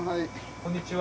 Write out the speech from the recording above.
こんにちは。